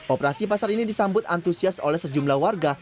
operasi pasar ini disambut antusias oleh sejumlah warga